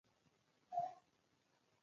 کله چې غنم زیات شو، د ښکار غوښه هم ډېره شوه.